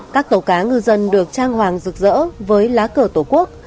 các tàu cá ngư dân được trang hoàng rực rỡ với lá cờ tổ quốc